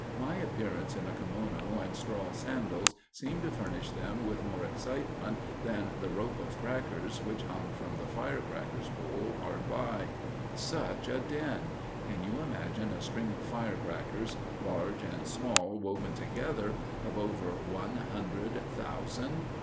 My appearance in a kimono and straw sandals seemed to furnish them with more excitement than the rope of crackers which hung from the firecrackers pole hard by. Such a din! Can you imagine a string of firecrackers, large and small woven together, of over one hundred thousand?